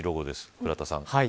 倉田さん。